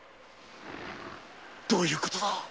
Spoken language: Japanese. どういうことだ！